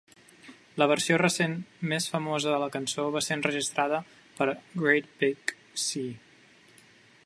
La versió recent més famosa de la cançó va ser enregistrada per Great Big Sea.